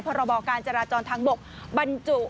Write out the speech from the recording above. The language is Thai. พรบการจราจรทางบกบรรจุ